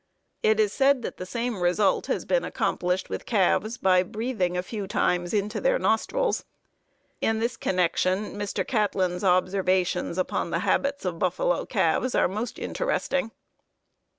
It is said that the same result has been accomplished with calves by breathing a few times into their nostrils. In this connection Mr. Catlin's observations on the habits of buffalo calves are most interesting.